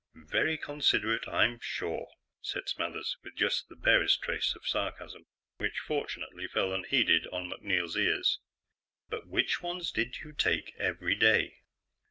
"Very considerate, I'm sure," said Smathers with just the barest trace of sarcasm, which, fortunately, fell unheeded on MacNeil's ears. "But which ones did you take every day?"